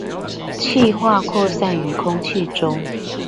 汽化擴散於空氣中